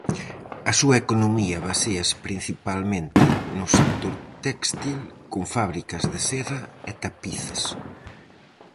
A súa economía baséase principalmente no sector téxtil, con fábricas de seda e tapices.